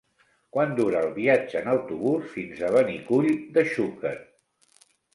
Quant dura el viatge en autobús fins a Benicull de Xúquer?